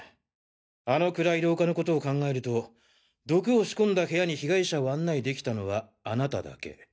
あの暗い廊下のことを考えると毒を仕込んだ部屋に被害者を案内できたのはあなただけ。